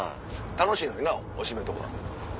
楽しいのになおしめとか。